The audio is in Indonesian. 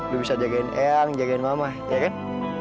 lu bisa jagain eyang jagain mama ya kan